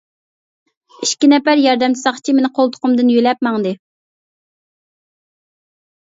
ئىككى نەپەر ياردەمچى ساقچى مېنى قولتۇقۇمدىن يۆلەپ ماڭدى.